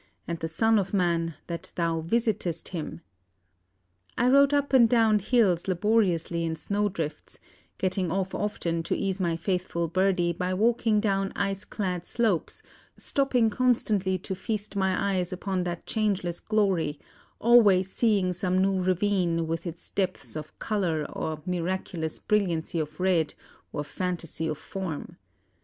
and the son of man, that Thou visitest him?' I rode up and down hills laboriously in snow drifts, getting off often to ease my faithful Birdie by walking down ice clad slopes, stopping constantly to feast my eyes upon that changeless glory, always seeing some new ravine, with its depths of colour or miraculous brilliancy of red or phantasy of form.